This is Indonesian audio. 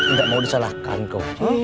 enggak mau disalahkan kau